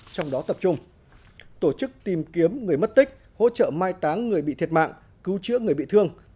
trong đó tập trung tổ chức tìm kiếm người mất tích hỗ trợ mai táng người bị thiệt mạng cứu chữa người bị thương